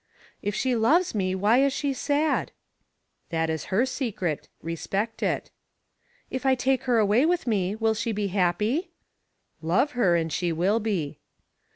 "If she loves me, why is she sad?" "That is her secret, respect it." "If I take her away with me, will she be happy?" "Love her and she will be."